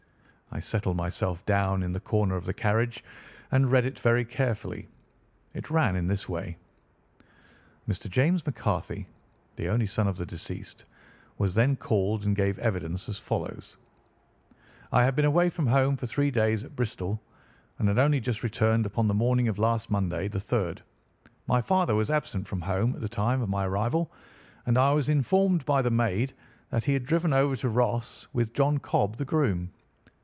I settled myself down in the corner of the carriage and read it very carefully. It ran in this way: "Mr. James McCarthy, the only son of the deceased, was then called and gave evidence as follows: 'I had been away from home for three days at Bristol, and had only just returned upon the morning of last Monday, the 3rd. My father was absent from home at the time of my arrival, and I was informed by the maid that he had driven over to Ross with John Cobb, the groom.